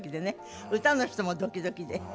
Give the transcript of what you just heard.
歌の人もドキドキで。